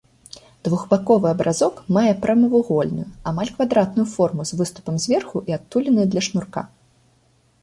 Двухбаковы абразок мае прамавугольную, амаль квадратную форму з выступам зверху і адтулінай для шнурка.